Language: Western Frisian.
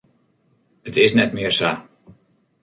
It is net mear sa.